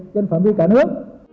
trên phạm vi cả nước